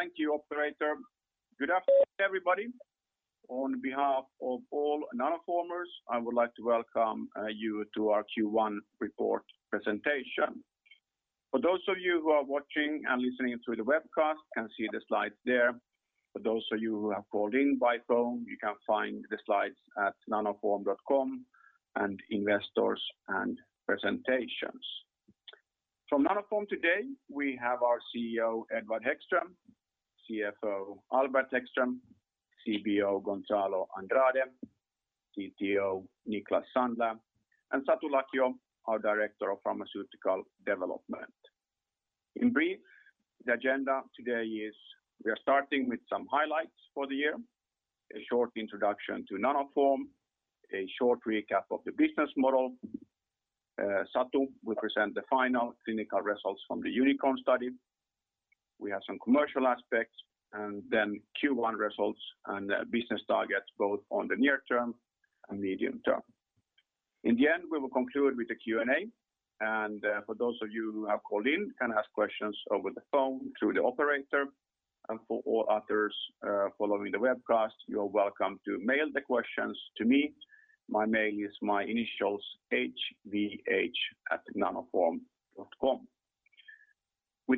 Thank you, operator. Good afternoon, everybody. On behalf of all Nanoformers, I would like to welcome you to our Q1 report presentation. For those of you who are watching and listening through the webcast can see the slides there. For those of you who have called in by phone, you can find the slides at nanoform.com and Investors and Presentations. From Nanoform today, we have our CEO, Edward Hæggström, CFO, Albert Hæggström, CBO, Gonçalo Andrade, CTO, Niklas Sandler, and Satu Lakio, our Director of Pharmaceutical Development. In brief, the agenda today is we're starting with some highlights for the year, a short introduction to Nanoform, a short recap of the business model. Satu will present the final clinical results from the UNICORN study. We have some commercial aspects, then Q1 results and business targets, both on the near term and medium term. In the end, we will conclude with the Q&A, for those of you who have called in can ask questions over the phone through the operator. For all others following the webcast, you're welcome to mail the questions to me. My mail is my initials hvh@nanoform.com. With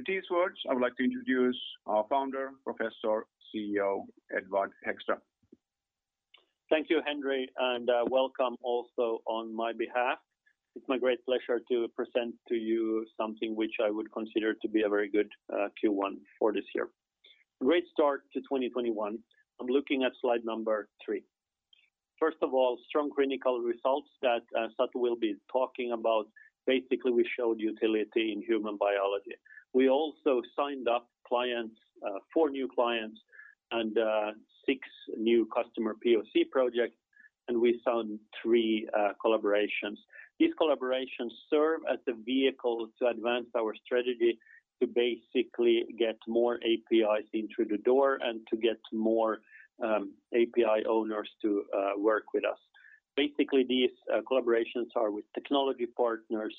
these words, I'd like to introduce our Founder, Professor, CEO, Edward Hæggström. Thank you, Henri, and welcome also on my behalf. It's my great pleasure to present to you something which I would consider to be a very good Q1 for this year. A great start to 2021. I'm looking at slide number three. First of all, strong clinical results that Satu will be talking about. Basically, we showed utility in human biology. We also signed up four new clients and six new customer POC projects, and we signed three collaborations. These collaborations serve as a vehicle to advance our strategy to basically get more APIs in through the door and to get more API owners to work with us. Basically, these collaborations are with technology partners,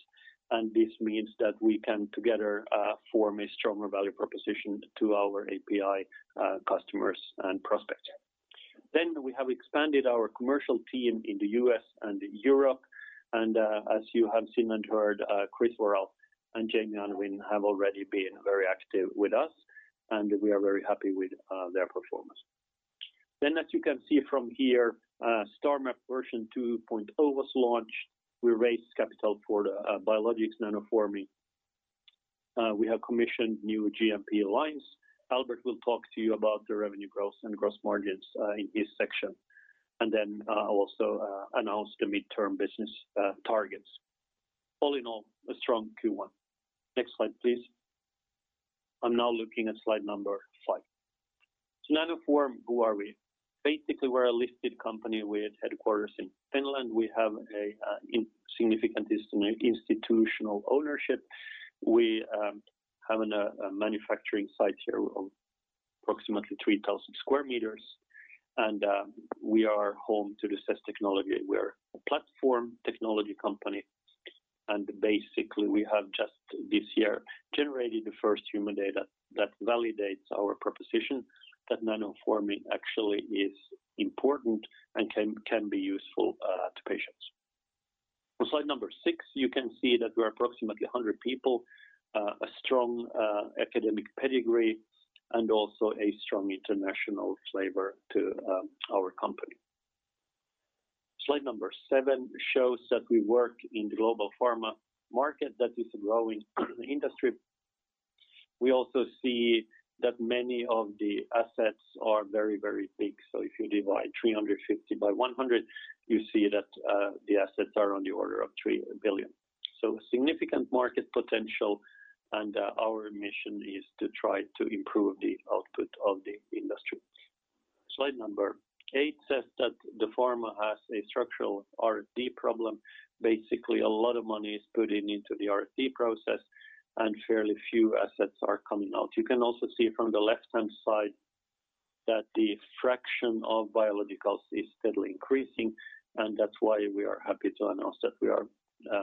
and this means that we can together form a stronger value proposition to our API customers and prospects. We have expanded our commercial team in the U.S. and Europe, as you have seen and heard, Chris Worrall and Jamie Unwin have already been very active with us, and we are very happy with their performance. As you can see from here, STARMAP version 2.0 was launched. We raised capital for biologics nanoforming. We have commissioned new GMP lines. Albert will talk to you about the revenue growth and gross margins in his section, and then I'll also announce the midterm business targets. All in all, a strong Q1. Next slide, please. I'm now looking at slide number five. Nanoform, who are we? Basically, we're a listed company with headquarters in Finland. We have a significant institutional ownership. We have a manufacturing site here of approximately 3,000 sq meters. We are home to the CESS technology. We are a platform technology company, and basically, we have just this year generated the first human data that validates our proposition that nanoforming actually is important and can be useful to patients. On slide number six, you can see that we're approximately 100 people, a strong academic pedigree, and also a strong international flavor to our company. Slide number seven shows that we work in global pharma market that is growing in the industry. We also see that many of the assets are very, very big. If you divide 350 by 100, you see that the assets are on the order of 3 billion. Significant market potential, and our mission is to try to improve the output of the industry. Slide number eight says that the pharma has a structural R&D problem. A lot of money is put into the R&D process and fairly few assets are coming out. You can also see from the left-hand side that the fraction of biologics is steadily increasing, and that's why we are happy to announce that we are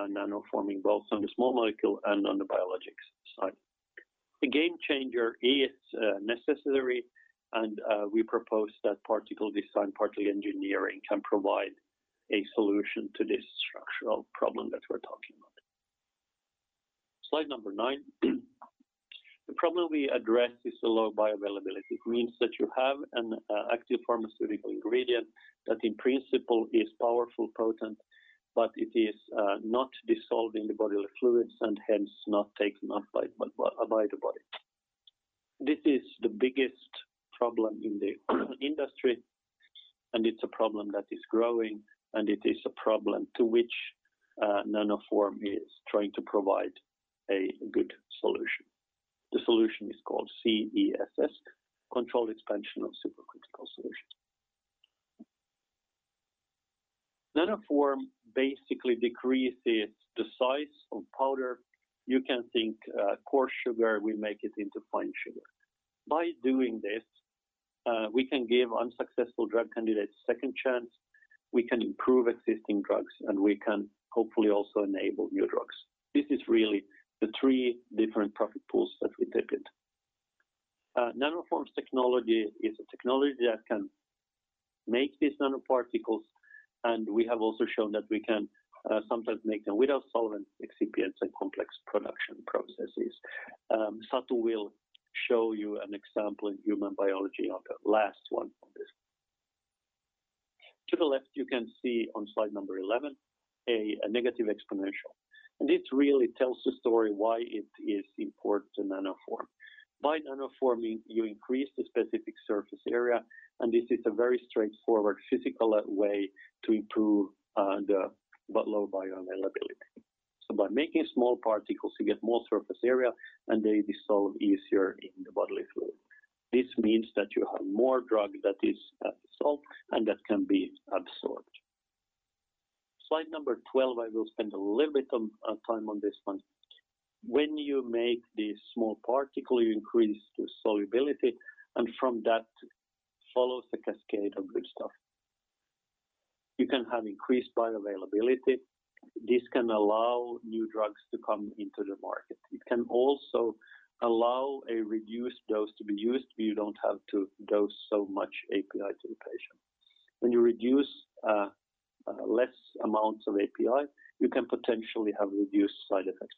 nanoforming both on the small molecule and on the biologics side. A game changer is necessary and we propose that particle design, particle engineering can provide a solution to this structural problem that we're talking about. Slide number nine. The problem we address is the low bioavailability. It means that you have an active pharmaceutical ingredient that in principle is powerful, potent, but it is not dissolved in the bodily fluids and hence not taken up by the body. This is the biggest problem in the industry, and it's a problem that is growing, it is a problem to which Nanoform is trying to provide a good solution. The solution is called CESS, Controlled Expansion of Supercritical Solutions. Nanoform basically decreases the size of powder. You can think coarse sugar, we make it into fine sugar. By doing this we can give unsuccessful drug candidates second chance, we can improve existing drugs, we can hopefully also enable new drugs. This is really the three different profit pools that we dip in. Nanoform's technology is a technology that can make these nanoparticles, we have also shown that we can sometimes make them without solvent excipients and complex production processes. Satu will show you an example in human biology on the last one on this. To the left, you can see on slide number 11, a negative exponential. This really tells the story why it is important to nanoform. By nanoforming, you increase the specific surface area. This is a very straightforward physical way to improve the low bioavailability. By making small particles, you get more surface area. They dissolve easier in the bodily fluid. This means that you have more drug that is dissolved and that can be absorbed. Slide number 12, I will spend a little bit of time on this one. When you make this small particle, you increase the solubility. From that follows a cascade of good stuff. You can have increased bioavailability. This can allow new drugs to come into the market. It can also allow a reduced dose to be used, where you don't have to dose so much API to the patient. When you reduce less amounts of API, you can potentially have reduced side effects.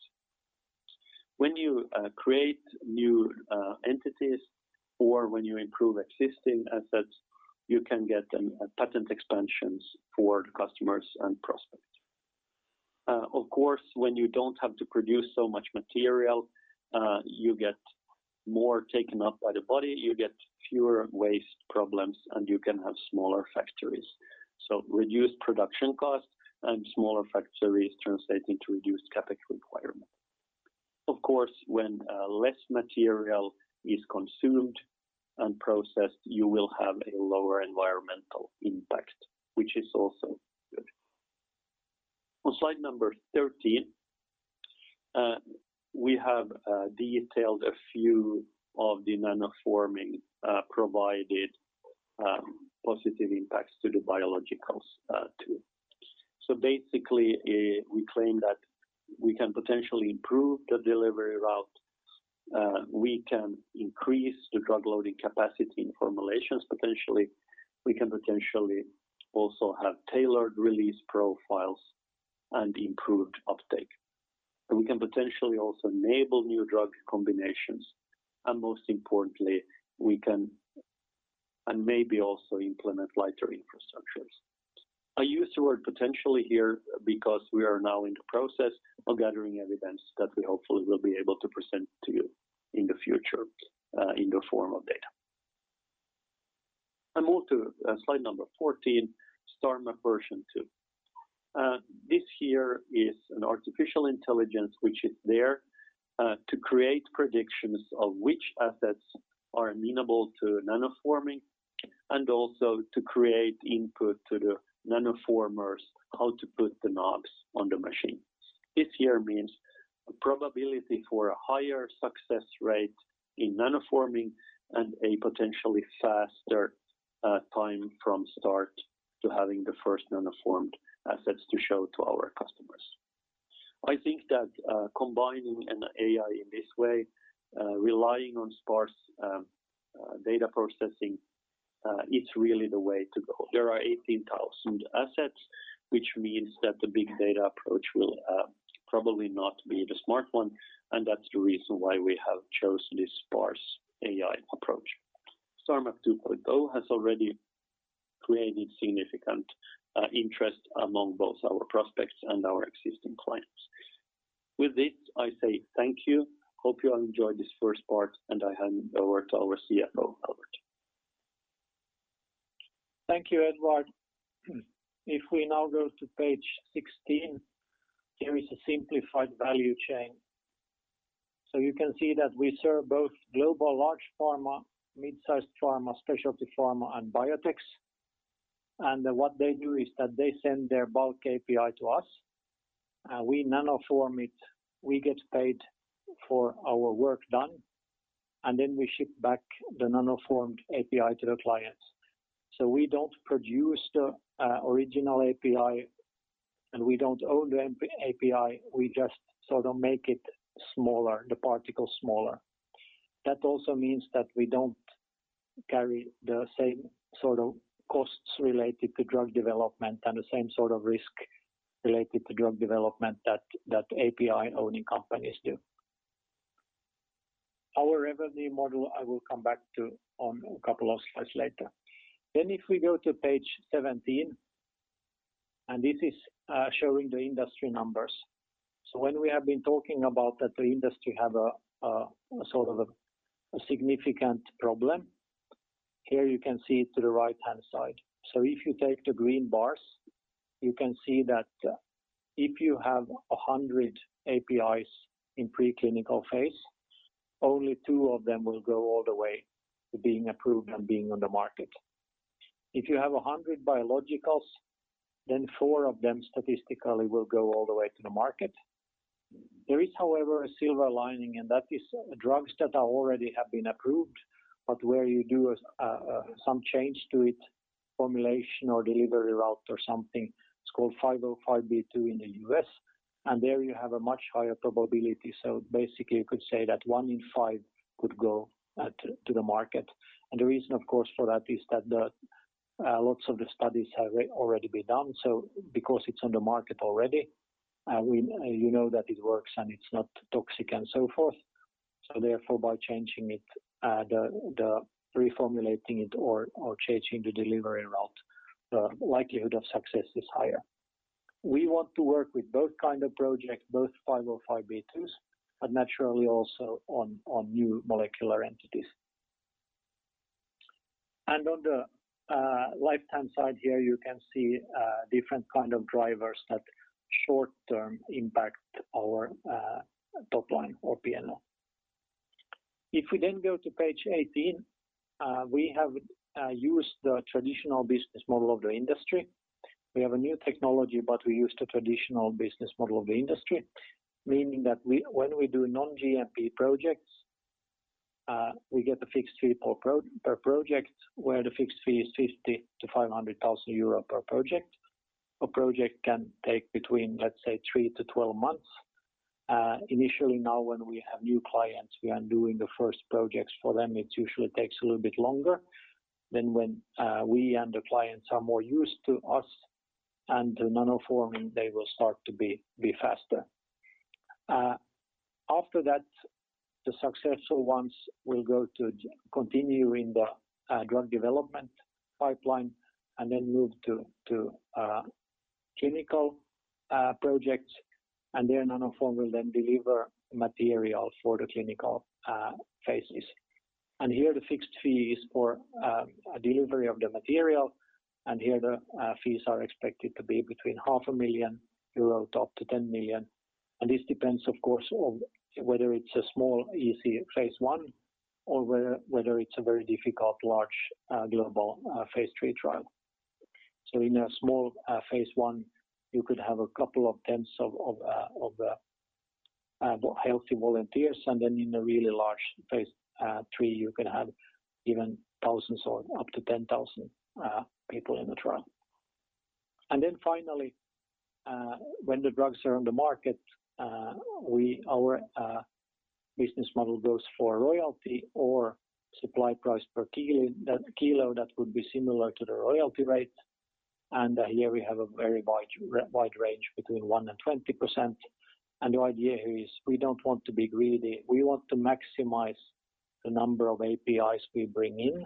When you create new entities or when you improve existing assets, you can get patent expansions for the customers and prospects. When you don't have to produce so much material, you get more taken up by the body, you get fewer waste problems, and you can have smaller factories. Reduced production costs and smaller factories translating to reduced CapEx requirement. When less material is consumed and processed, you will have a lower environmental impact, which is also good. On slide number 13, we have detailed a few of the nanoforming provided positive impacts to the biologicals, too. Basically, we claim that we can potentially improve the delivery route. We can increase the drug loading capacity in formulations, potentially. We can potentially also have tailored release profiles and improved uptake. We can potentially also enable new drug combinations, and most importantly, we can and maybe also implement lighter infrastructures. I use the word potentially here because we are now in the process of gathering evidence that we hopefully will be able to present to you in the future in the form of data. I move to slide number 14, STARMAP version 2. This here is an artificial intelligence, which is there to create predictions of which assets are amenable to nanoforming and also to create input to the nanoformers how to put the knobs on the machine. This here means a probability for a higher success rate in nanoforming and a potentially faster time from start to having the first nanoformed assets to show to our customers. I think that combining an AI in this way, relying on sparse data processing, it's really the way to go. There are 18,000 assets, which means that the big data approach will probably not be the smart one, and that's the reason why we have chosen this sparse AI approach. STARMAP 2.0 has already created significant interest among both our prospects and our existing clients. With this, I say thank you, hope you have enjoyed this first part, and I hand over to our CFO, Albert. Thank you, Edward. If we now go to page 16, there is a simplified value chain. You can see that we serve both global large pharma, mid-size pharma, specialty pharma, and biotechs. What they do is that they send their bulk API to us, we Nanoform it, we get paid for our work done, and then we ship back the Nanoformed API to the clients. We don't produce the original API, and we don't own the API, we just sort of make it smaller, the particles smaller. That also means that we don't carry the same sort of costs related to drug development and the same sort of risk related to drug development that API-owning companies do. Our revenue model, I will come back to on a couple of slides later. If we go to page 17, this is showing the industry numbers. When we have been talking about that the industry have a sort of a significant problem, here you can see to the right-hand side. If you take the green bars, you can see that if you have 100 APIs in preclinical phase, only two of them will go all the way to being approved and being on the market. If you have 100 biologicals, then four of them statistically will go all the way to the market. There is, however, a silver lining, and that is drugs that already have been approved, but where you do some change to its formulation or delivery route or something. It's called 505(b)(2) in the U.S., and there you have a much higher probability. Basically, you could say that one in five could go to the market. The reason, of course, for that is that lots of the studies have already been done. Because it's on the market already, you know that it works and it's not toxic and so forth. Therefore, by changing it, reformulating it, or changing the delivery route, the likelihood of success is higher. We want to work with both kind of projects, both 505(b)(2)s, but naturally also on new molecular entities. On the left-hand side here, you can see different kind of drivers that short-term impact our top line or P&L. If we go to page 18, we have used the traditional business model of the industry. We have a new technology, but we use the traditional business model of the industry, meaning that when we do non-GMP projects, we get a fixed fee per project, where the fixed fee is 50,000 to 500,000 euro per project. A project can take between, let's say, three to 12 months. Initially, now when we have new clients, we are doing the first projects for them, it usually takes a little bit longer than when we and the clients are more used to us and the nanoforming, they will start to be faster. After that, the successful ones will go to continue in the drug development pipeline and then move to clinical projects, and then Nanoform will then deliver material for the clinical phases. Here the fixed fee is for delivery of the material, here the fees are expected to be between half a million EUR up to 10 million. This depends, of course, on whether it's a small, easy phase I or whether it's a very difficult, large global phase III trial. In a small phase I, you could have a couple of tens of healthy volunteers, in a really large phase III, you can have even thousands or up to 10,000 people in the trial. Finally, when the drugs are on the market, our business model goes for royalty or supply price per kilo that would be similar to the royalty rate. Here we have a very wide range between 1% and 20%. The idea here is we don't want to be greedy. We want to maximize the number of APIs we bring in,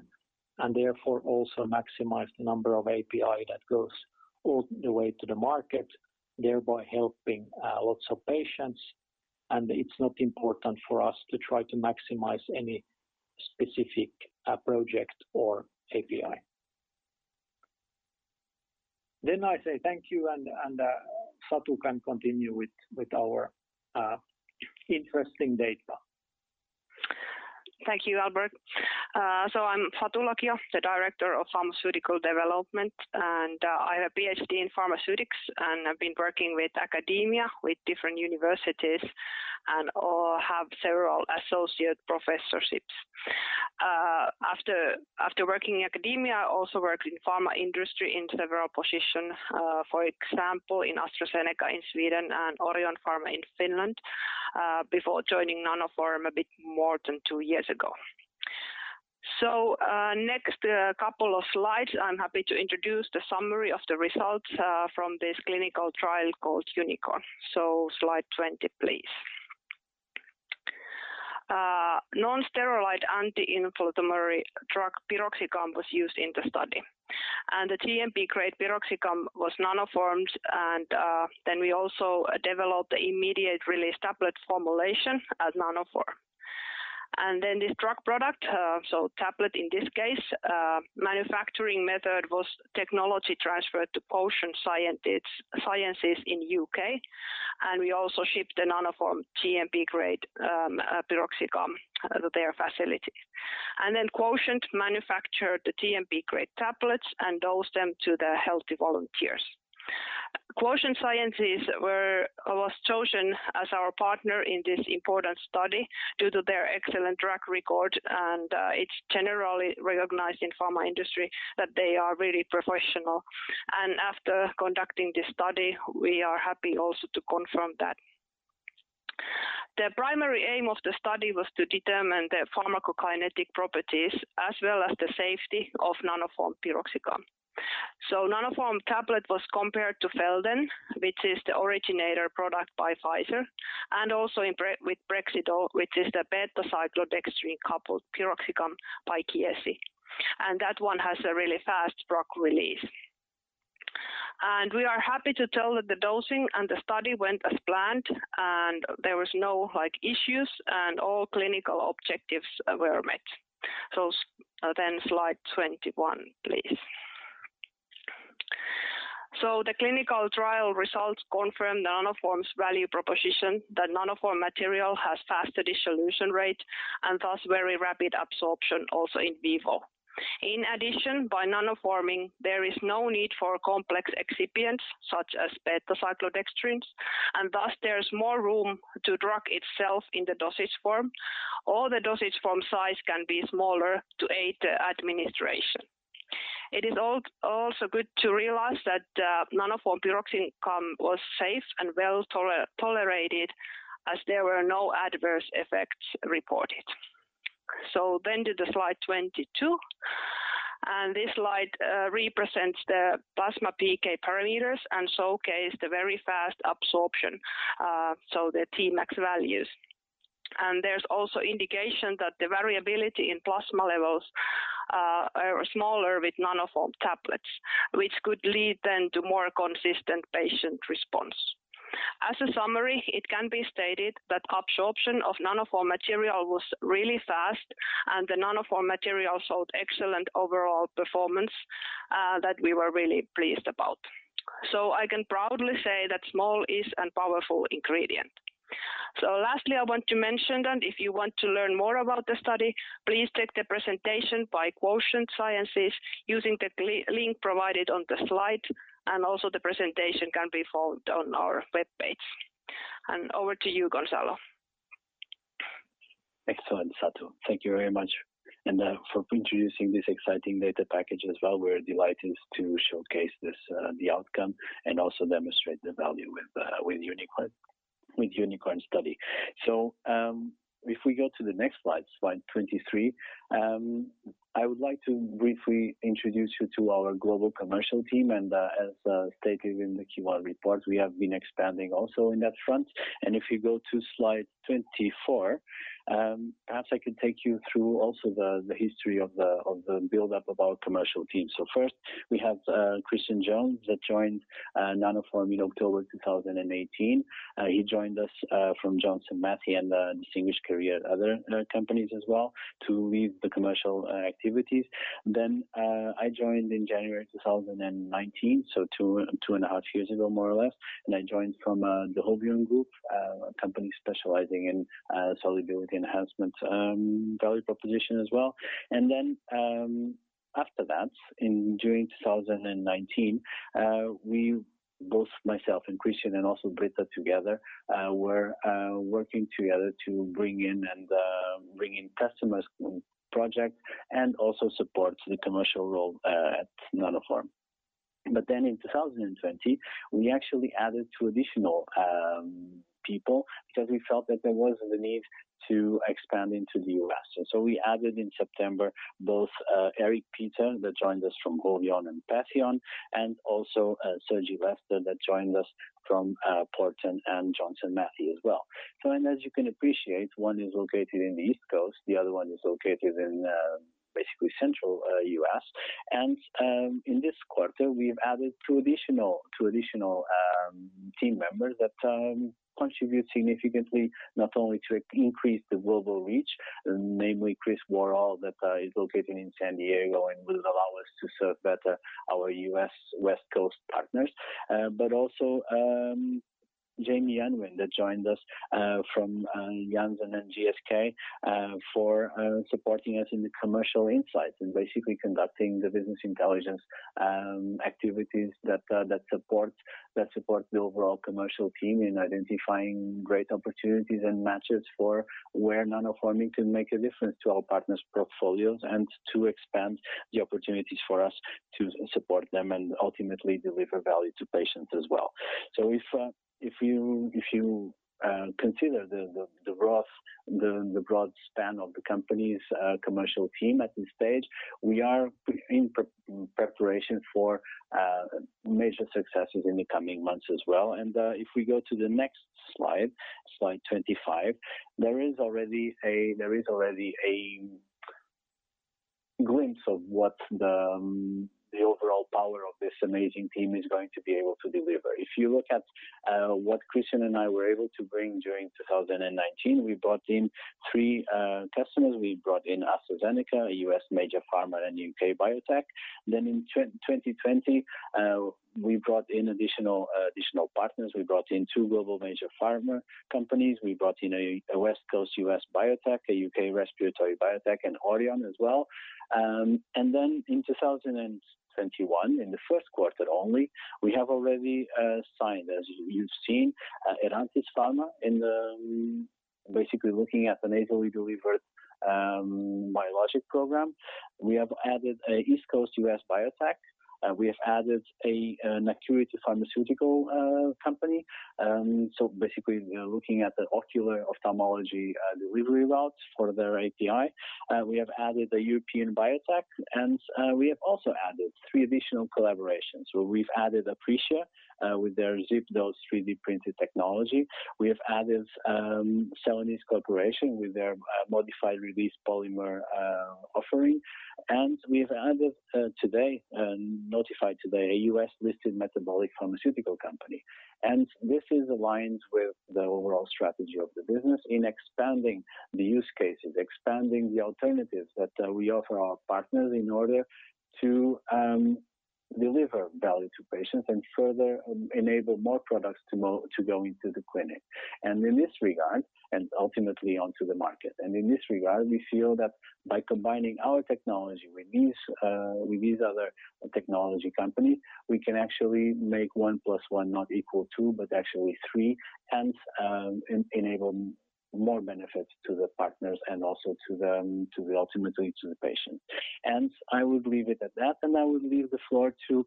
and therefore also maximize the number of API that goes all the way to the market, thereby helping lots of patients. It's not important for us to try to maximize any specific project or API. I say thank you, and Satu Lakio can continue with our interesting data. Thank you, Albert. I'm Satu Lakio, the Director of Pharmaceutical Development, and I have a PhD in pharmaceutics, and I've been working with academia, with different universities, and/or have several associate professorships. After working in academia, I also worked in pharma industry in several positions, for example, in AstraZeneca in Sweden and Orion Pharma in Finland, before joining Nanoform a bit more than two years ago. Next couple of slides, I'm happy to introduce the summary of the results from this clinical trial called UNICORN. Slide 20, please. Non-steroidal anti-inflammatory drug, piroxicam, was used in the study. The GMP-grade piroxicam was nanoformed, and then we also developed the immediate release tablet formulation at Nanoform. This drug product, so tablet in this case, manufacturing method was technology transferred to Quotient Sciences in U.K., and we also shipped the Nanoform GMP-grade piroxicam to their facility. Quotient manufactured the GMP-grade tablets and dosed them to the healthy volunteers. Quotient Sciences was chosen as our partner in this important study due to their excellent track record, and it's generally recognized in pharma industry that they are really professional. After conducting this study, we are happy also to confirm that. The primary aim of the study was to determine the pharmacokinetic properties as well as the safety of Nanoform piroxicam. Nanoform tablet was compared to Feldene, which is the originator product by Pfizer, and also with Brexidol, which is the beta-cyclodextrin coupled piroxicam by Chiesi. That one has a really fast drug release. We are happy to tell that the dosing and the study went as planned, and there was no issues, and all clinical objectives were met. Slide 21, please. The clinical trial results confirm Nanoform's value proposition that Nanoform material has faster dissolution rate and thus very rapid absorption also in vivo. In addition, by nanoforming, there is no need for complex excipients such as beta-cyclodextrins. Thus there's more room to drug itself in the dosage form, or the dosage form size can be smaller to aid the administration. It is also good to realize that Nanoform piroxicam was safe and well-tolerated, as there were no adverse effects reported. To slide 22. This slide represents the plasma PK parameters and showcases the very fast absorption, so the Tmax values. There's also indication that the variability in plasma levels are smaller with Nanoform tablets, which could lead then to more consistent patient response. As a summary, it can be stated that absorption of Nanoform material was really fast, and the Nanoform material showed excellent overall performance that we were really pleased about. I can proudly say that small is a powerful ingredient. Lastly, I want to mention that if you want to learn more about the study, please take the presentation by Quotient Sciences using the link provided on the slide, and also the presentation can be found on our webpage. Over to you, Gonçalo. Excellent, Satu. Thank you very much. For introducing this exciting data package as well. We are delighted to showcase the outcome and also demonstrate the value with UNICORN study. If we go to the next slide 23, I would like to briefly introduce you to our global commercial team. As stated in the Q1 report, we have been expanding also on that front. If you go to slide 24, perhaps I can take you through also the history of the buildup of our commercial team. First, we have Christian Jones, that joined Nanoform in October 2018. He joined us from Johnson Matthey and a distinguished career at other companies as well to lead the commercial activities. I joined in January 2019, two and a half years ago, more or less. I joined from the Hovione Group, a company specializing in solubility enhancement value proposition as well. After that, in June 2019, both myself and Christian, and also Britta together, were working together to bring in customers projects, and also support the commercial role at Nanoform. In 2020, we actually added two additional people because we felt that there was the need to expand into the U.S. We added in September both Eric Peterson that joined us from Hovione and Patheon, and also Sergey Letser that joined us from Porton and Johnson Matthey as well. As you can appreciate, one is located in the East Coast, the other one is located in basically Central U.S. In this quarter, we've added two additional team members that contribute significantly, not only to increase the global reach, namely Chris Worrall that is located in San Diego and will allow us to serve better our U.S. West Coast partners, but also Jamie Unwin that joined us from Janssen and GSK, for supporting us in the commercial insights and basically conducting the business intelligence activities that support the overall commercial team in identifying great opportunities and matches for where Nanoform can make a difference to our partners' portfolios and to expand the opportunities for us to support them and ultimately deliver value to patients as well. If you consider the broad span of the company's commercial team at this stage, we are in preparation for major successes in the coming months as well. If we go to the next slide 25, there is already a glimpse of what the overall power of this amazing team is going to be able to deliver. If you look at what Christian and I were able to bring during 2019, we brought in three customers. We brought in AstraZeneca, a U.S. major pharma, and U.K. biotech. In 2020, we brought in additional partners. We brought in two global major pharma companies. We brought in a West Coast U.S. biotech, a U.K. respiratory biotech, and Hovione as well. In 2021, in the first quarter only, we have already signed, as you've seen, Herantis Pharma, basically looking at the nasally delivered biologic program. We have added a East Coast U.S. biotech. We have added a maturity pharmaceutical company. Basically, we are looking at the ocular ophthalmology delivery routes for their API. We have added a European biotech, and we have also added three additional collaborations. We've added Aprecia with their ZipDose 3D printing technology. We've added Celanese Corporation with their modified release polymer offering. We've added today, notified today, a U.S.-listed metabolic pharmaceutical company. This is aligned with the overall strategy of the business in expanding the use cases, expanding the alternatives that we offer our partners in order to deliver value to patients and further enable more products to go into the clinic, and ultimately onto the market. In this regard, we feel that by combining our technology with these other technology companies, we can actually make one plus one not equal two, but actually three, and enable more benefits to the partners and also ultimately to the patient. I would leave it at that, I would leave the floor to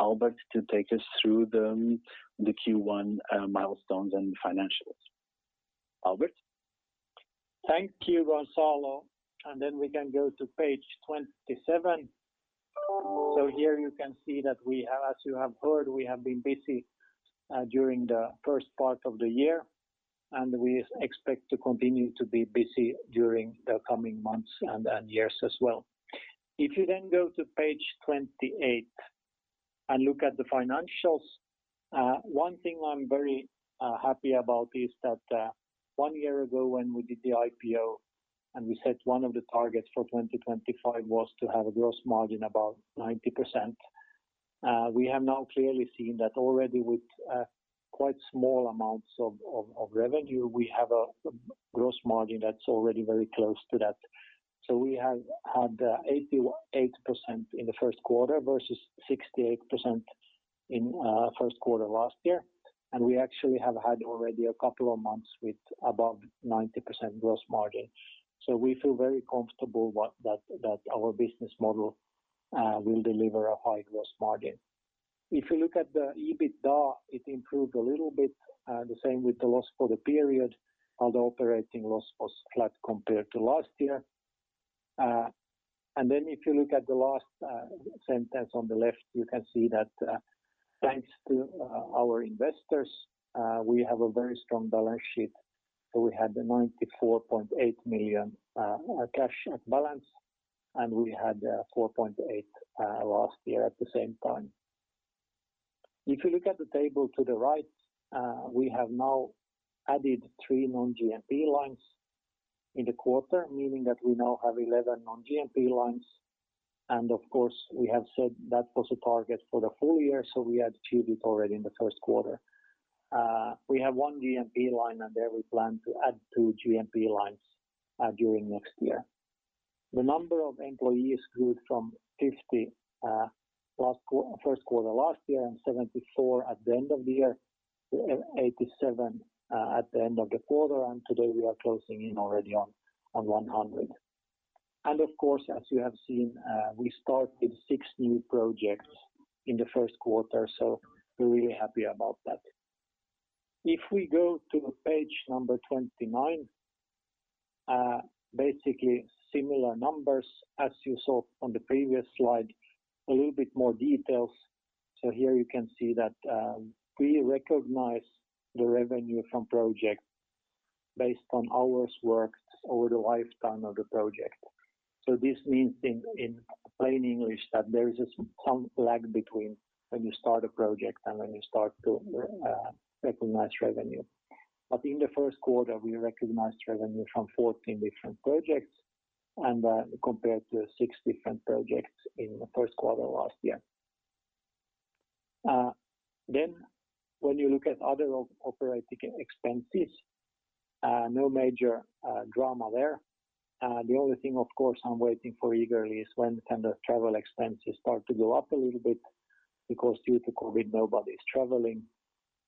Albert to take us through the Q1 milestones and financials. Albert? Thank you, Gonçalo. We can go to page 27. Here you can see that, as you have heard, we have been busy during the first part of the year, and we expect to continue to be busy during the coming months and years as well. If you go to page 28 and look at the financials, one thing I am very happy about is that one year ago when we did the IPO, and we said one of the targets for 2025 was to have a gross margin about 90%. We have now clearly seen that already with quite small amounts of revenue, we have a gross margin that's already very close to that. We have had 88% in the first quarter versus 68% in first quarter last year. We actually have had already a couple of months with above 90% gross margin. We feel very comfortable that our business model will deliver a high gross margin. If you look at the EBITDA, it improved a little bit, the same with the loss for the period, and the operating loss was flat compared to last year. If you look at the last sentence on the left, you can see that thanks to our investors, we have a very strong balance sheet. We had the 94.8 million cash at balance, and we had 4.8 million last year at the same time. If you look at the table to the right, we have now added three non-GMP lines in the quarter, meaning that we now have 11 non-GMP lines. We have said that was a target for the full year, we achieved it already in the first quarter. We have one GMP line, and there we plan to add two GMP lines during next year. The number of employees grew from 50 first quarter last year and 74 at the end of the year to 87 at the end of the quarter, and today we are closing in already on 100. Of course, as you have seen, we started six new projects in the first quarter, so we're really happy about that. If we go to page number 29, basically similar numbers as you saw on the previous slide. A little bit more details. Here you can see that we recognize the revenue from projects based on hours worked over the lifetime of the project. This means in plain English that there is some lag between when you start a project and when you start to recognize revenue. In the first quarter, we recognized revenue from 14 different projects and compared to six different projects in the first quarter last year. When you look at other operating expenses, no major drama there. The only thing, of course, I'm waiting for eagerly is when can the travel expenses start to go up a little bit because due to COVID, nobody's traveling.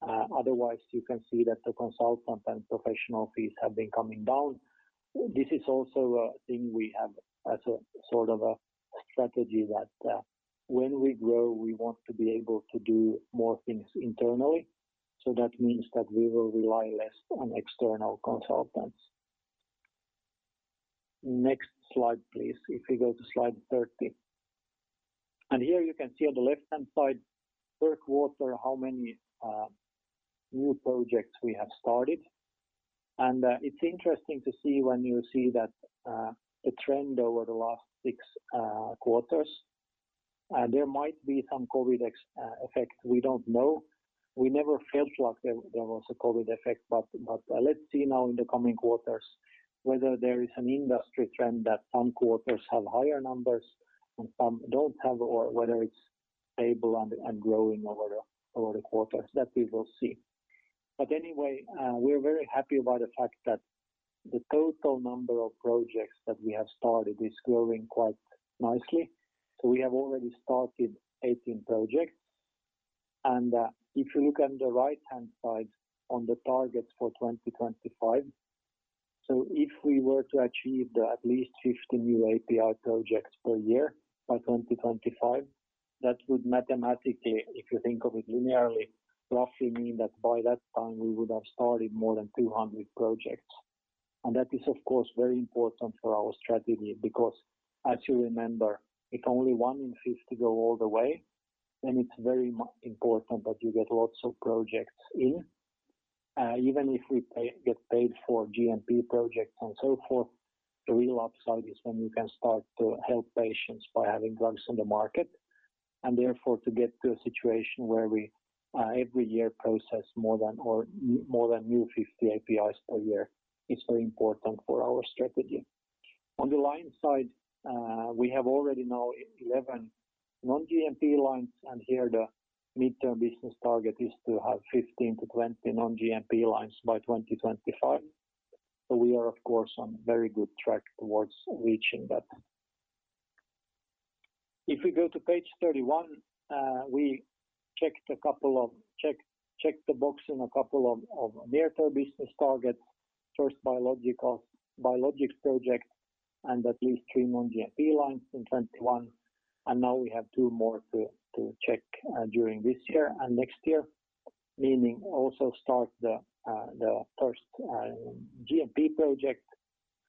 You can see that the consultant and professional fees have been coming down. This is also a thing we have as a sort of a strategy that when we grow, we want to be able to do more things internally. That means that we will rely less on external consultants. Next slide, please. If you go to slide 30. Here you can see on the left-hand side, per quarter, how many new projects we have started. It's interesting to see when you see that the trend over the last six quarters, there might be some COVID effects. We don't know. We never felt like there was a COVID effect. Let's see now in the coming quarters whether there is an industry trend that some quarters have higher numbers and some don't have, or whether it's stable and growing over the quarters. That we will see. Anyway, we're very happy about the fact that the total number of projects that we have started is growing quite nicely. We have already started 18 projects. If you look on the right-hand side on the targets for 2025, if we were to achieve at least 50 new API projects per year by 2025, that would mathematically, if you think of it linearly, roughly mean that by that time, we would have started more than 200 projects. That is, of course, very important for our strategy because as you remember, if only one in 50 go all the way, then it's very important that you get lots of projects in. Even if we get paid for GMP projects and so forth, the real upside is when we can start to help patients by having drugs on the market. Therefore, to get to a situation where we every year process more than new 50 APIs per year is very important for our strategy. On the line side, we have already now 11 non-GMP lines, and here the midterm business target is to have 15-20 non-GMP lines by 2025. We are, of course, on very good track towards reaching that. If we go to page 31, we checked the box in a couple of near-term business targets. First biologics project and at least three non-GMP lines in 2021. Now we have two more to check during this year and next year, meaning also start the first GMP project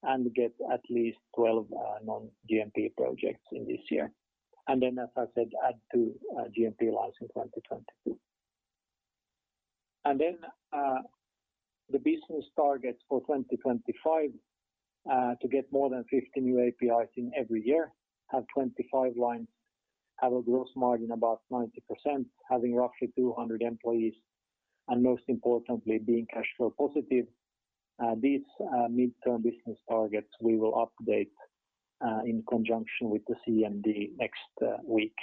and get at least 12 non-GMP projects in this year. As I said, add two GMP lines in 2022. The business targets for 2025, to get more than 50 new APIs in every year, have 25 lines, have a gross margin about 90%, having roughly 200 employees, and most importantly, being cash flow positive. These midterm business targets we will update in conjunction with the CMD next week,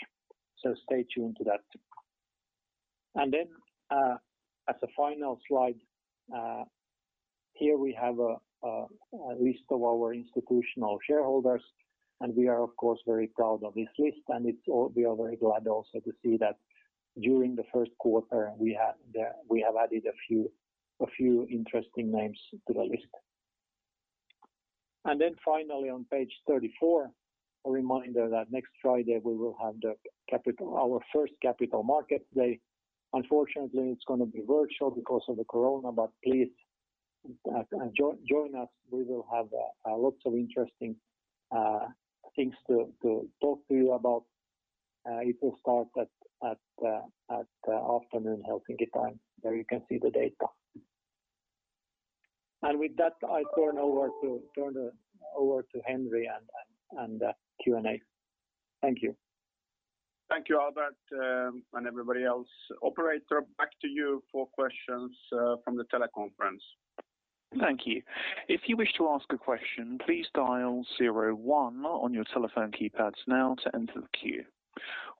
so stay tuned to that too. As a final slide, here we have a list of our institutional shareholders. We are, of course, very proud of this list. We are very glad also to see that during the first quarter, we have added a few interesting names to the list. Finally on page 34, a reminder that next Friday we will have our first capital market day. Unfortunately, it's going to be virtual because of the COVID, but please join us. We will have lots of interesting things to talk to you about. It will start at afternoon Helsinki time. There you can see the date. With that, I turn over to Henri and Q&A. Thank you. Thank you, Albert, and everybody else. Operator, back to you for questions from the teleconference. Thank you. If you wish to ask a question, please dial zero one on your telephone keypads now to enter the queue.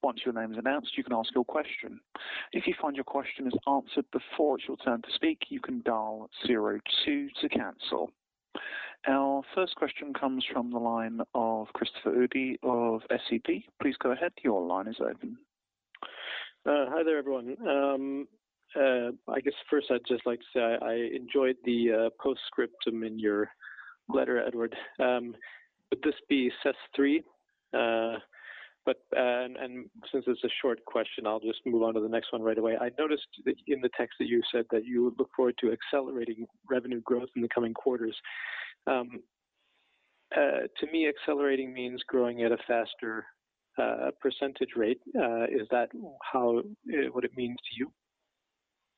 Once your name is announced, you can ask your question. If you find your question is answered before it's your turn to speak, you can dial zero two to cancel. Our first question comes from the line of Christopher Uhde of SEB. Please go ahead. Your line is open. Hi there, everyone. I guess first I'd just like to say I enjoyed the postscript in your letter, Edward. Would this be CESS 3? Since it's a short question, I'll just move on to the next one right away. I noticed that in the text that you said that you look forward to accelerating revenue growth in the coming quarters. To me, accelerating means growing at a faster percentage rate. Is that what it means to you?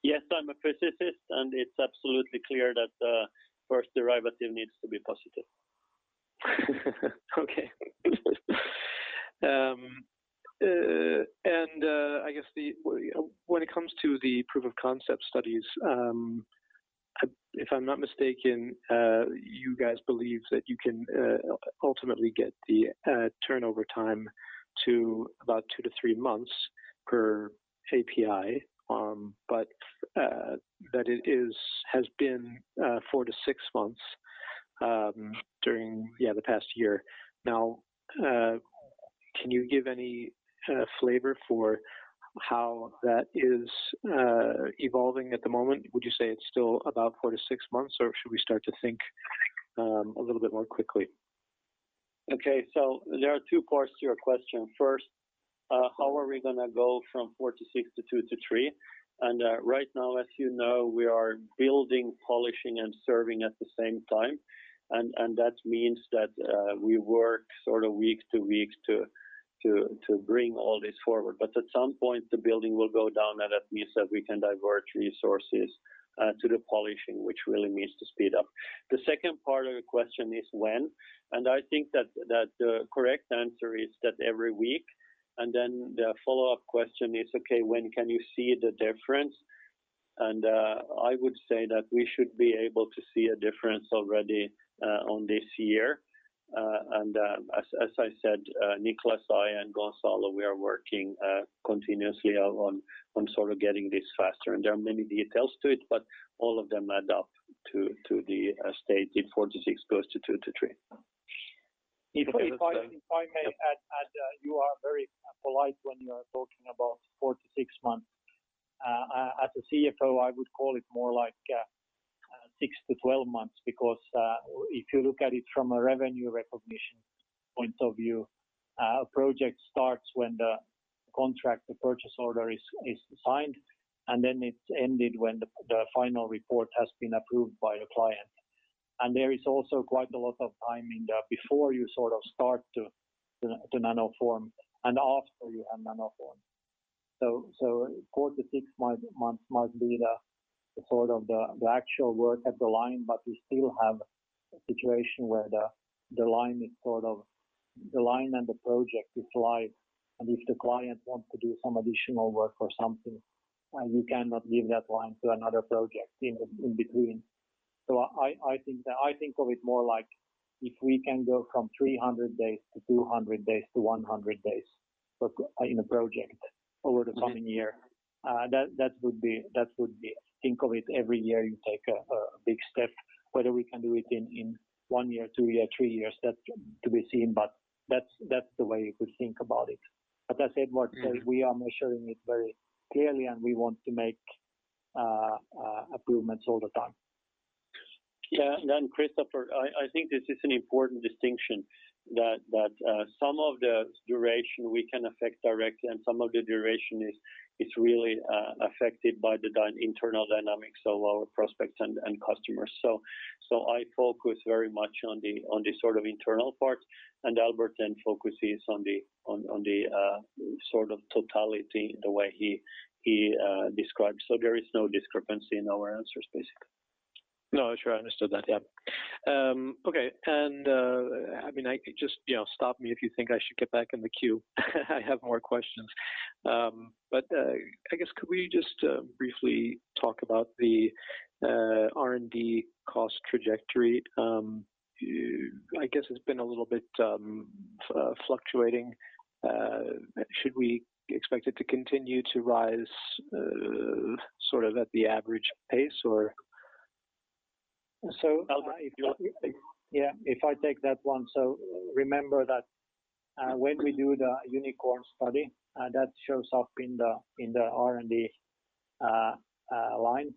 Yes, I'm a physicist, and it's absolutely clear that the first derivative needs to be positive. I guess when it comes to the Proof of Concept studies, if I am not mistaken, you guys believe that you can ultimately get the turnover time to about two to three months per API, but that it has been four to six months during the past year. Can you give any flavor for how that is evolving at the moment? Would you say it is still about four to six months, or should we start to think a little bit more quickly? Okay. There are two parts to your question. First, how are we going to go from four to six to two to three? Right now, as you know, we are building, polishing, and serving at the same time, and that means that we work week to week to bring all this forward. At some point, the building will go down, and that means that we can divert resources to the polishing, which really means to speed up. The second part of the question is when, and I think that the correct answer is that every week. The follow-up question is, okay, when can you see the difference? I would say that we should be able to see a difference already on this year. As I said, Niklas, I, and Gonçalo, we are working continuously on getting this faster. There are many details to it, but all of them add up to the stated four to six goes to two to three. If I may add, you are very polite when you are talking about four to six months. As a CFO, I would call it more like 6 to 12 months, because if you look at it from a revenue recognition point of view, a project starts when the contract, the purchase order is signed, and then it is ended when the final report has been approved by the client. There is also quite a lot of time in there before you start to nanoform and after you have nanoform. Four to six months might be the actual work at the line, but we still have a situation where the line is sort of the line and the project is live, and if the client wants to do some additional work or something, you cannot give that line to another project in between. I think of it more like if we can go from 300 days to 200 days to 100 days in a project over the coming year, that would be. Think of it, every year you take a big step. Whether we can do it in one year, two year, three years, that's to be seen, but that's the way you could think about it. As Edward said, we are measuring it very clearly, and we want to make improvements all the time. Yeah. Christopher, I think this is an important distinction that some of the duration we can affect directly and some of the duration is really affected by the internal dynamics of our prospects and customers. I focus very much on the internal part, and Albert Hæggström then focuses on the totality the way he describes. There is no discrepancy in our answers, basically. No, sure. I understood that. Yeah. Okay. Just stop me if you think I should get back in the queue. I have more questions. I guess could we just briefly talk about the R&D cost trajectory? I guess it's been a little bit fluctuating. Should we expect it to continue to rise sort of at the average pace or? So- Albert, if you- Yeah, if I take that one. Remember that when we do the UNICORN study, that shows up in the R&D line.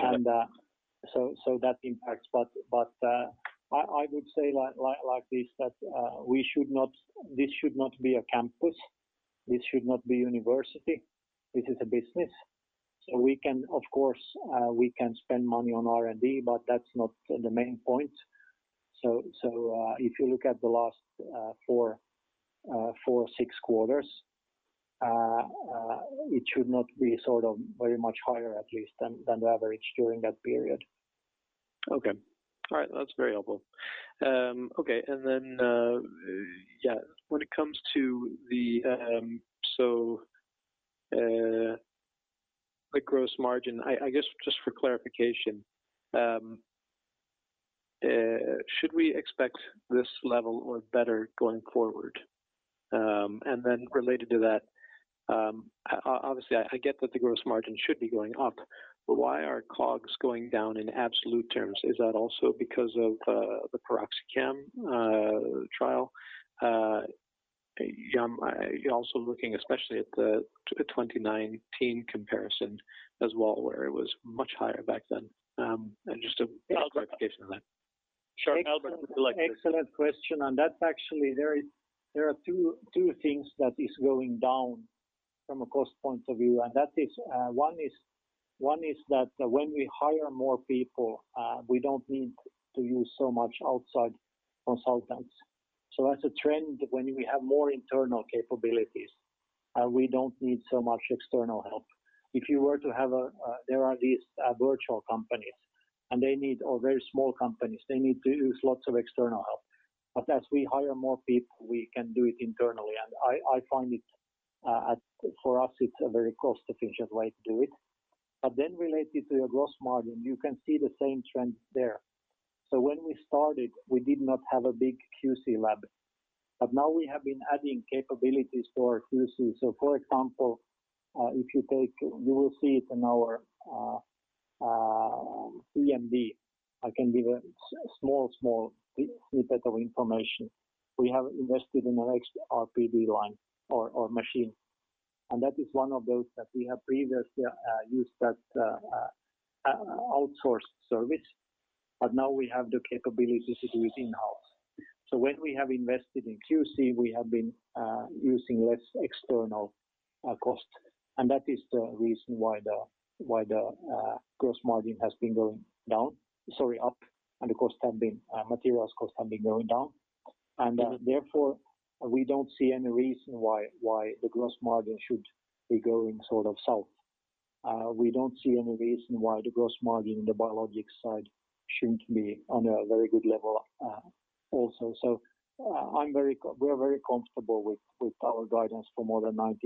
Okay. That impacts. I would say like this, that this should not be a campus, this should not be university. This is a business. We can, of course we can spend money on R&D, but that's not the main point. If you look at the last four, six quarters, it should not be sort of very much higher, at least, than the average during that period. Okay. All right. That's very helpful. Okay. When it comes to the gross margin, I guess just for clarification, should we expect this level or better going forward? Related to that, obviously I get that the gross margin should be going up, but why are COGS going down in absolute terms? Is that also because of the piroxicam trial? Looking especially at the 2019 comparison as well, where it was much higher back then. Albert. Clarification on that. Sure. Albert would like to. Excellent question. That's actually, there are two things that is going down from a cost point of view. One is that when we hire more people, we don't need to use so much outside consultants. That's a trend when we have more internal capabilities, we don't need so much external help. There are these virtual companies or very small companies, they need to use lots of external help. As we hire more people, we can do it internally. I find it for us, it's a very cost-efficient way to do it. Related to your gross margin, you can see the same trend there. When we started, we did not have a big QC lab. Now we have been adding capabilities for QC. For example, you will see it in our CMD. I can give a small snippet of information. We have invested in an extra XRPD line or machine. That is one of those that we have previously used that outsourced service. Now we have the capabilities to do it in-house. When we have invested in QC, we have been using less external cost. That is the reason why the gross margin has been going up, and materials cost have been going down. Therefore, we don't see any reason why the gross margin should be going sort of south. We don't see any reason why the gross margin in the biologic side shouldn't be on a very good level also. We are very comfortable with our guidance for more than 90%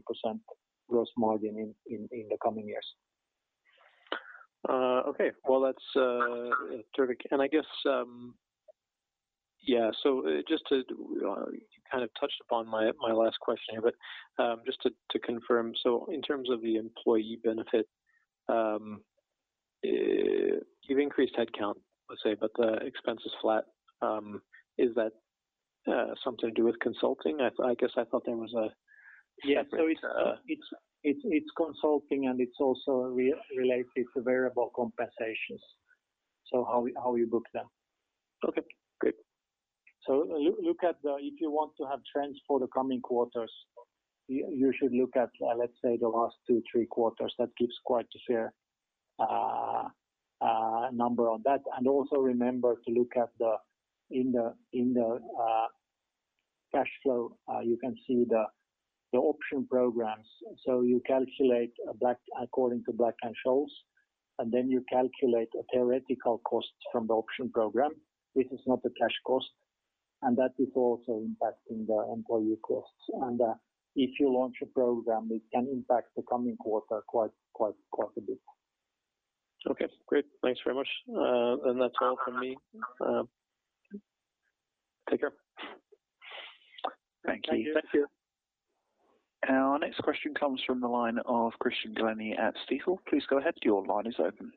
gross margin in the coming years. Okay. Well, that's terrific. You kind of touched upon my last question here, but just to confirm, in terms of the employee benefit, you've increased headcount, let's say, but the expense is flat. Is that something to do with consulting? Yeah. It's consulting, and it's also related to variable compensations. How we book them. Okay, great. If you want to have trends for the coming quarters, you should look at, let's say, the last two, three quarters. That gives quite a fair number on that. Also, remember to look at in the cash flow, you can see the The option programs. You calculate according to Black-Scholes, and then you calculate a theoretical cost from the option program. This is not a cash cost, and that is also impacting the employee costs. If you launch a program, it can impact the coming quarter quite a bit. Okay, great. Thanks very much. That's all from me. Take care. Thank you. Thank you. Our next question comes from the line of Christian Glennie at Stifel. Please go ahead. Your line is open.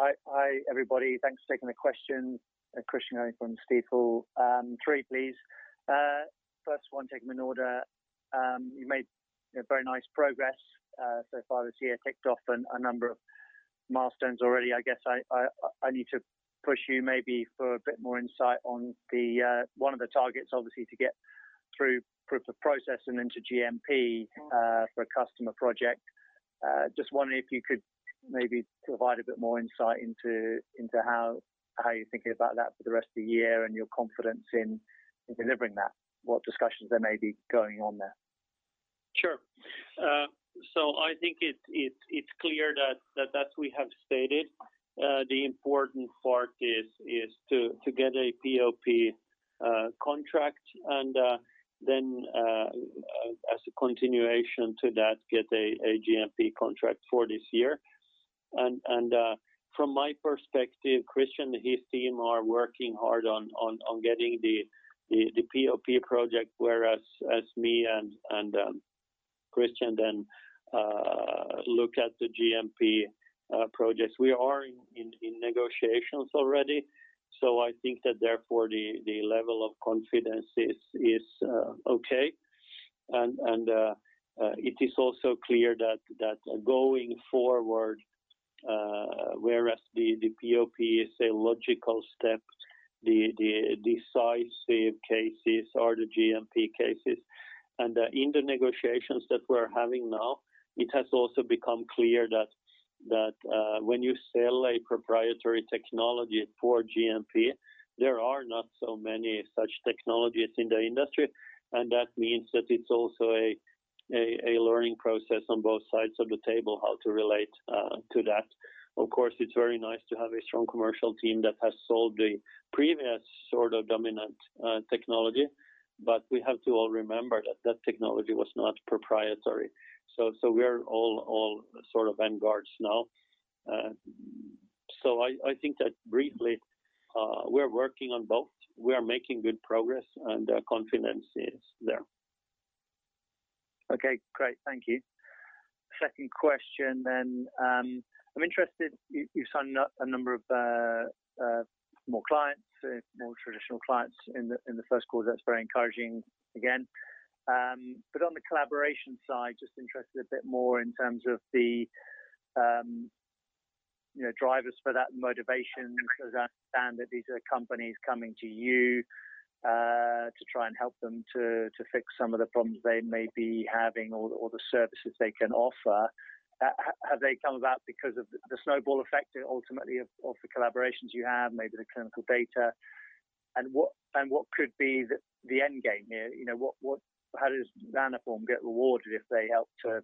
Hi, everybody. Thanks for taking the question. Christian Glennie from Stifel. Three, please. First one, taking in order. You made very nice progress so far this year, ticked off a number of milestones already. I guess I need to push you maybe for a bit more insight on one of the targets, obviously, to get through proof of process and into GMP for a customer project. Just wondering if you could maybe provide a bit more insight into how you're thinking about that for the rest of the year and your confidence in delivering that, what discussions are maybe going on there. Sure. I think it's clear that as we have stated, the important part is to get a POP contract and then as a continuation to that, get a GMP contract for this year. From my perspective, Christian Jones and his team are working hard on getting the POP project, whereas me and Christian Jones then look at the GMP projects. We are in negotiations already. I think that therefore the level of confidence is okay. It is also clear that going forward, whereas the POP is a logical step, the decisive cases are the GMP cases. In the negotiations that we're having now, it has also become clear that when you sell a proprietary technology for GMP, there are not so many such technologies in the industry, and that means that it's also a learning process on both sides of the table how to relate to that. It's very nice to have a strong commercial team that has sold the previous sort of dominant technology. We have to all remember that that technology was not proprietary. We are all sort of vanguards now. I think that briefly, we're working on both. We are making good progress and confidence is there. Okay, great. Thank you. Second question. I'm interested, you've signed up a number of small clients, more traditional clients in the 1st quarter. That's very encouraging again. On the collaboration side, just interested a bit more in terms of the drivers for that motivation. I understand that these are companies coming to you to try and help them to fix some of the problems they may be having or the services they can offer. Have they come about because of the snowball effect ultimately of the collaborations you have, maybe the clinical data? What could be the end game here? How does Nanoform get rewarded if they help to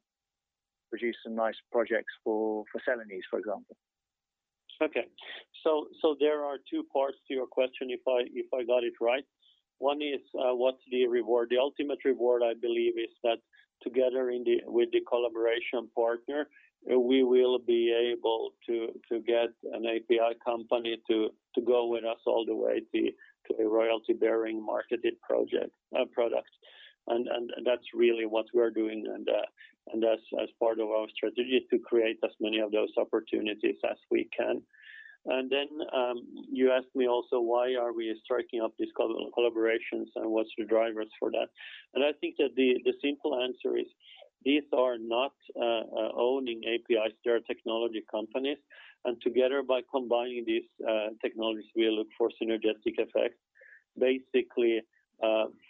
produce some nice projects for Celanese, for example? Okay. There are two parts to your question, if I got it right. One is what's the reward? The ultimate reward, I believe, is that together with the collaboration partner, we will be able to get an API company to go with us all the way to a royalty-bearing marketed product. That's really what we're doing and that's part of our strategy to create as many of those opportunities as we can. You asked me also why are we striking up these collaborations and what's the drivers for that? I think that the simple answer is these are not owning APIs, they're technology companies. Together by combining these technologies, we look for synergistic effects. Basically,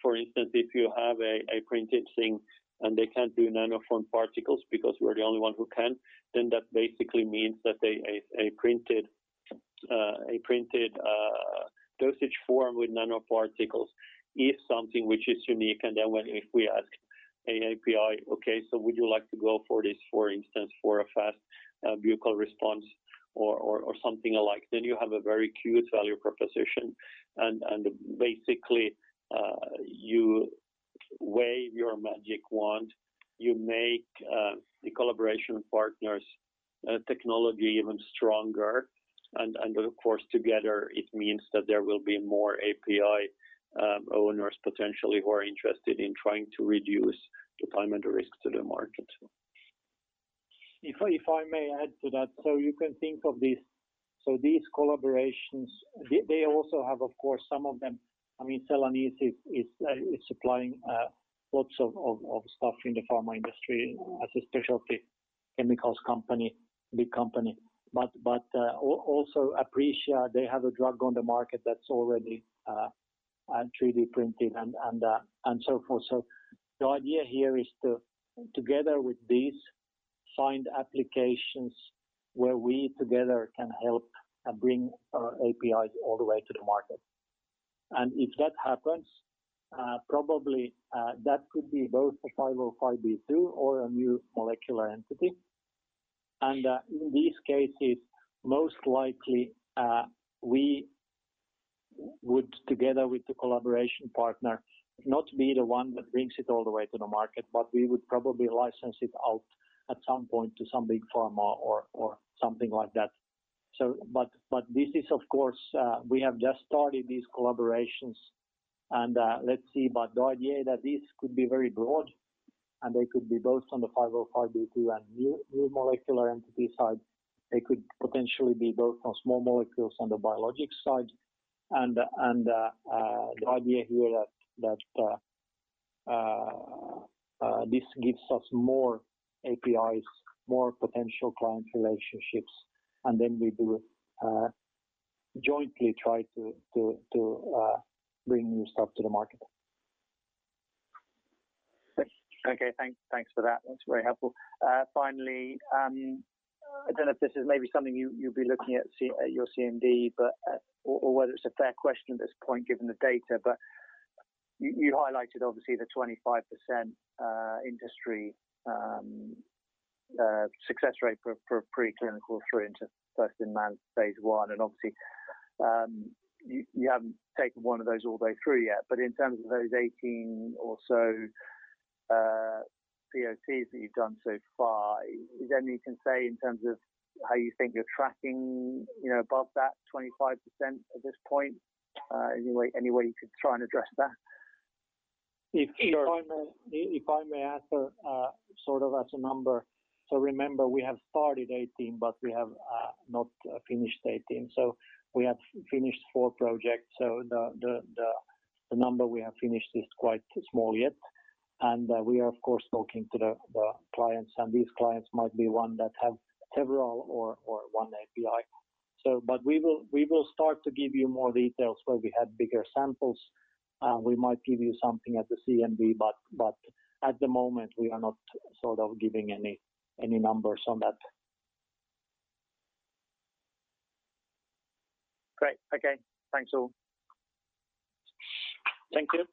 for instance, if you have a printed thing and they can't do Nanoform particles because we're the only ones who can, then that basically means that a printed dosage form with nanoparticles is something which is unique. If we ask API, "Okay, so would you like to go for this, for instance, for a fast buccal response or something alike?" You have a very cute value proposition and basically you wave your magic wand, you make the collaboration partner's technology even stronger, and of course, together it means that there will be more API owners potentially who are interested in trying to reduce development risks to the market. If I may add to that. You can think of these collaborations, they also have, of course, some of them. I mean, Celanese is supplying lots of stuff in the pharma industry as a specialty chemicals company, big company. Also Aprecia, they have a drug on the market that's already 3D printed and so forth. The idea here is to together with these find applications where we together can help and bring our APIs all the way to the market. If that happens, probably that could be both a 505(b)(2) or a new molecular entity. In these cases, most likely, we would, together with the collaboration partner, not be the one that brings it all the way to the market, but we would probably license it out at some point to some big pharma or something like that. We have just started these collaborations, and let's see. The idea that these could be very broad, and they could be both on the 505(b)(2) and new molecular entity side. They could potentially be both on small molecules on the biologic side. The idea here that this gives us more APIs, more potential client relationships, and then we will jointly try to bring new stuff to the market. Okay. Thanks for that. That's very helpful. I don't know if this is maybe something you'll be looking at your CMD, or whether it's a fair question at this point given the data, you highlighted obviously the 25% industry success rate for preclinical through first in man phase I, and obviously, you haven't taken one of those all the way through yet. In terms of those 18 or so POCs that you've done so far, is there any you can say in terms of how you think you're tracking above that 25% at this point? Any way you could try and address that? If I may answer sort of as a number. Remember, we have started 18, but we have not finished 18. We have finished four projects. The number we have finished is quite small yet. We are, of course, talking to the clients, and these clients might be one that have several or one API. We will start to give you more details where we have bigger samples. We might give you something at the CMD, but at the moment, we are not sort of giving any numbers on that. Great. Okay. Thanks all. Thank you.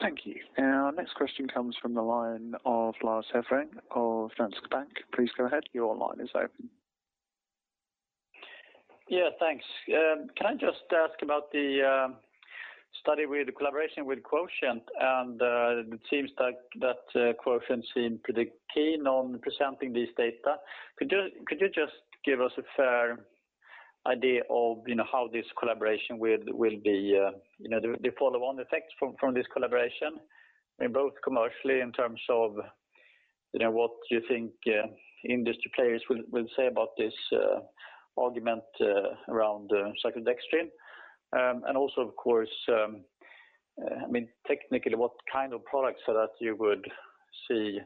Thank you. Our next question comes from the line of Lars Hansen of Danske Bank. Please go ahead. Your line is open. Yeah, thanks. Can I just ask about the study with the collaboration with Quotient? It seems like that Quotient seem pretty keen on presenting this data. Could you just give us a fair idea of how this collaboration will be, the follow-on effects from this collaboration? Both commercially in terms of what you think industry players will say about this argument around the second extreme. Also, of course, technically, what kind of products that you would see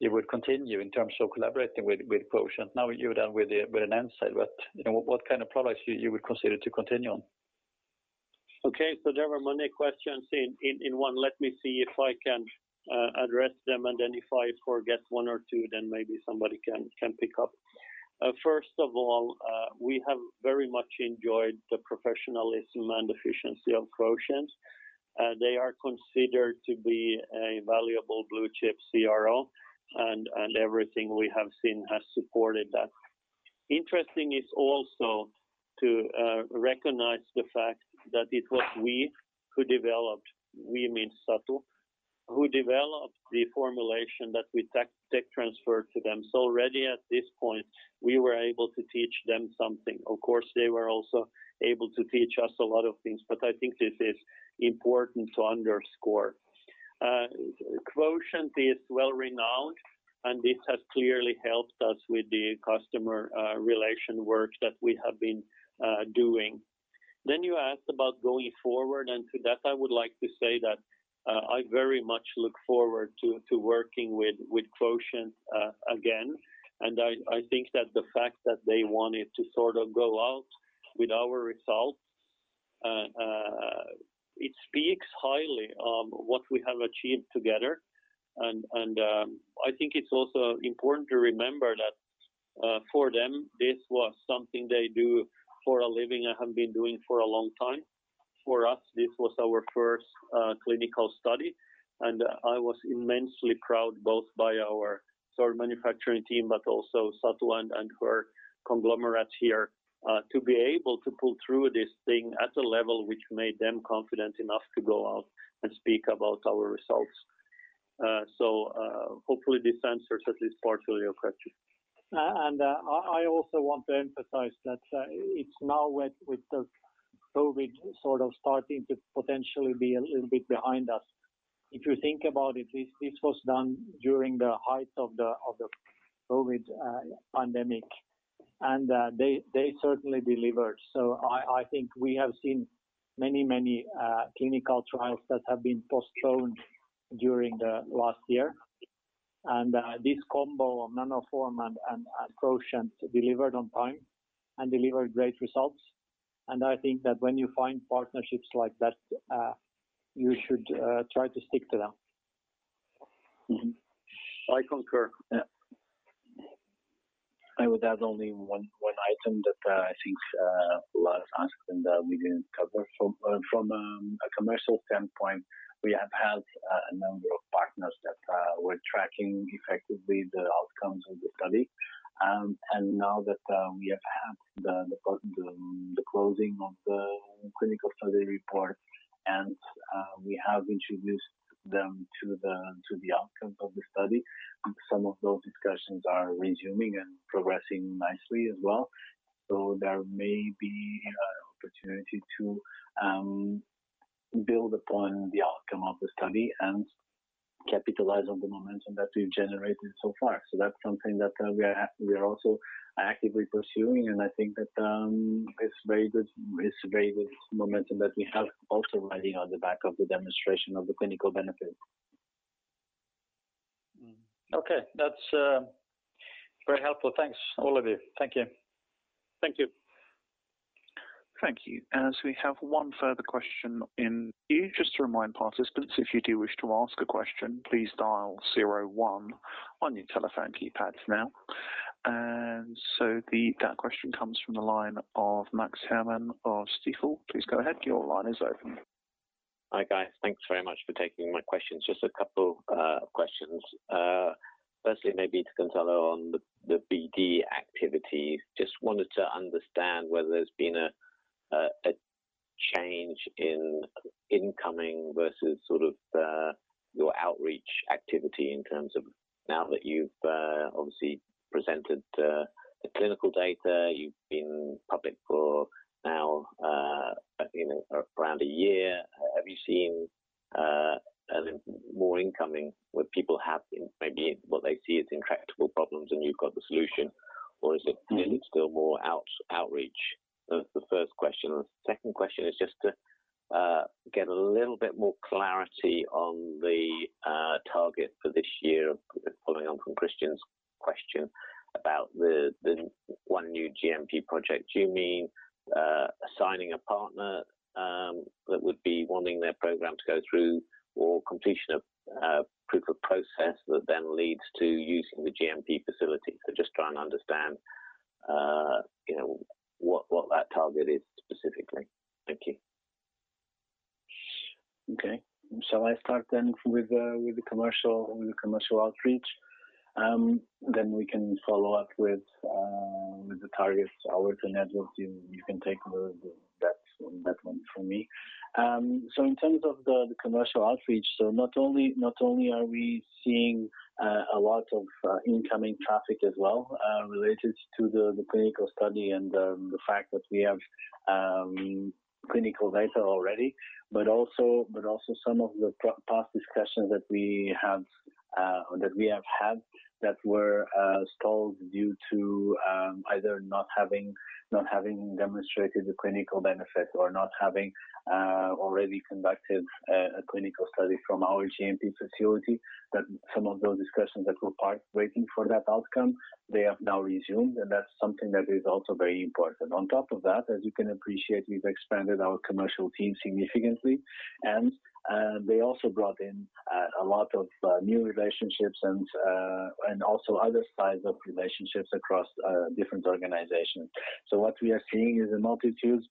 you would continue in terms of collaborating with Quotient now that you're done with an NSAID, but what kind of products you would consider to continue on? There were many questions in one. Let me see if I can address them, and then if I forget one or two, then maybe somebody can pick up. First of all, we have very much enjoyed the professionalism and efficiency of Quotient. They are considered to be a valuable blue-chip CRO, and everything we have seen has supported that. Interesting is also to recognize the fact that it was we who developed, we mean Satu, who developed the formulation that we tech transferred to them. Already at this point, we were able to teach them something. Of course, they were also able to teach us a lot of things, but I think this is important to underscore. Quotient is well renowned, and this has clearly helped us with the customer relation work that we have been doing. You asked about going forward, and to that, I would like to say that I very much look forward to working with Quotient again. I think that the fact that they wanted to sort of go out with our results, it speaks highly of what we have achieved together. I think it's also important to remember that for them, this was something they do for a living and have been doing for a long time. For us, this was our first clinical study, and I was immensely proud both by our sort of manufacturing team, but also Satu and her conglomerate here, to be able to pull through this thing at a level which made them confident enough to go out and speak about our results. Hopefully this answers at least part of your question. I also want to emphasize that it's now with the COVID sort of starting to potentially be a little bit behind us. If you think about it, this was done during the height of the COVID pandemic, and they certainly delivered. I think we have seen many clinical trials that have been postponed during the last year. This combo of Nanoform and Quotient delivered on time and delivered great results. I think that when you find partnerships like that, you should try to stick to them. I concur. I would add only one item that I think a lot of aspects that we didn't cover. From a commercial standpoint, we have had a number of partners that were tracking effectively the outcomes of the study. Now that we have had the closing of the clinical study report and we have introduced them to the outcome of the study, some of those discussions are resuming and progressing nicely as well. There may be an opportunity to build upon the outcome of the study and capitalize on the momentum that we've generated so far. That's something that we are also actively pursuing, and I think that it's very good momentum that we have also riding on the back of the demonstration of the clinical benefit. Okay. That's very helpful. Thanks, all of you. Thank you. Thank you. Thank you. As we have one further question in the queue, just to remind participants, if you do wish to ask a question, please dial zero one on your telephone keypad now. That question comes from the line of Max Herrmann of Stifel. Please go ahead. Your line is open. Hi, guys. Thanks very much for taking my questions. Just a couple of questions. Firstly, maybe to Gonçalo on the BD activity. Just wanted to understand whether there's been a change in incoming versus sort of your outreach activity in terms of now that you've obviously presented the clinical data, you've been public for now around one year, have you seen more incoming where people have maybe what they see as intractable problems and you've got the solution? Or is it still more outreach? That's the first question. The second question is just to get a little bit more clarity on the target for this year, following on from Christian Glennie's question about the one new GMP project. Do you mean assigning a partner that would be wanting their program to go through or completion of proof of process that then leads to using the GMP facility? Just trying to understand what that target is specifically. Thank you. Okay. Shall I start with the commercial outreach? We can follow up with the targets. Albert and Edward, you can take that one from me. In terms of the commercial outreach, not only are we seeing a lot of incoming traffic as well related to the clinical study and the fact that we have clinical data already, but also some of the past discussions that we have had that stalled due to either not having demonstrated the clinical benefit or not having already conducted a clinical study from our GMP facility, that some of those discussions that were waiting for that outcome, they have now resumed, and that's something that is also very important. On top of that, as you can appreciate, we've expanded our commercial team significantly, and they also brought in a lot of new relationships and also other sides of relationships across different organizations. What we are seeing is a multitude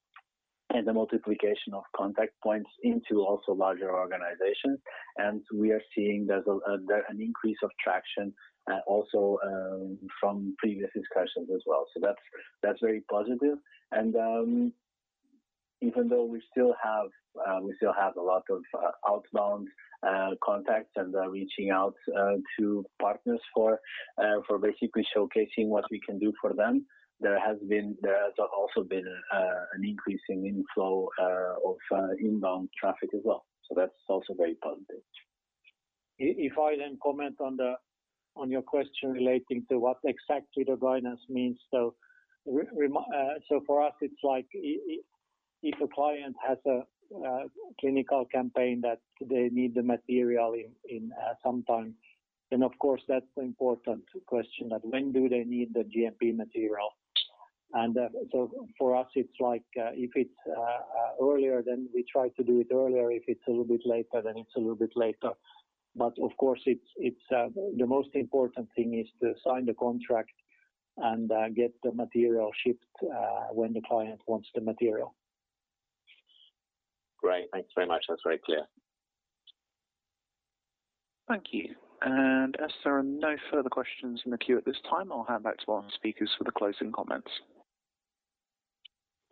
and a multiplication of contact points into also larger organizations, and we are seeing an increase of traction also from previous discussions as well. That's very positive. Even though we still have a lot of outbound contacts and reaching out to partners for basically showcasing what we can do for them, there has also been an increasing inflow of inbound traffic as well. That's also very positive. If I then comment on your question relating to what exactly the guidance means. For us, it's like if a client has a clinical campaign that they need the material in sometime, then of course, that's an important question, like when do they need the GMP material? For us, it's like if it's earlier, then we try to do it earlier. If it's a little bit later, then it's a little bit later. Of course, the most important thing is to sign the contract and get the material shipped when the client wants the material. Great. Thanks very much. That's very clear. Thank you. As there are no further questions in the queue at this time, I'll hand back to our speakers for the closing comments.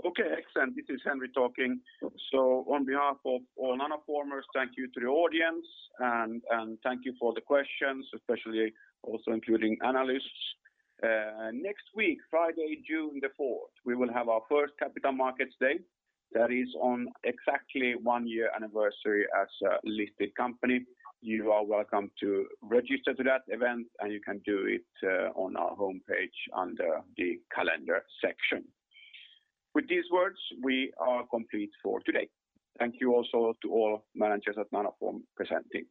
Okay, excellent. This is Henri talking. On behalf of all Nanoformers, thank you to the audience and thank you for the questions, especially also including analysts. Next week, Friday, June 4th, we will have our first Capital Markets Day. That is on exactly one-year anniversary as a listed company. You are welcome to register for that event, and you can do it on our homepage under the Calendar section. With these words, we are complete for today. Thank you also to all managers at Nanoform presenting.